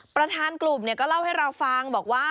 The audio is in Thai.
ประธานกลุ่มก็เล่าให้เราฟังบอกว่า